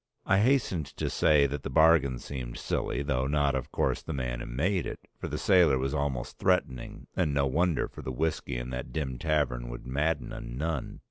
I hastened to say that the bargain seemed silly though not of course the man who made it; for the sailor was almost threatening, and no wonder for the whiskey in that dim tavern would madden a nun.